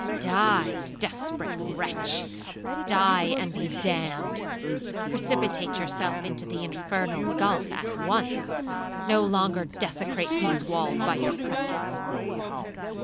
Die, desperate wretch,—die and be damned. Precipitate yourself into the infernal gulph at once, no longer desecrate these walls by your presence.'